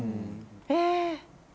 え！